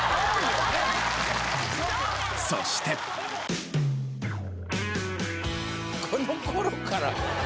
そしてこの頃から。